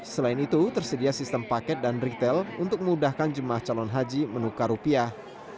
selain itu tersedia sistem paket dan retail untuk memudahkan jemaah calon haji menukar rupiah